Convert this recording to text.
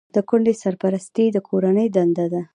د کونډې سرپرستي د کورنۍ دنده ده.